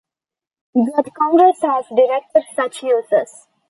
Yet Congress has directed such uses.